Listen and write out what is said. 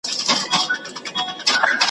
زورور به په ځنګله کي تر هر چا وي ,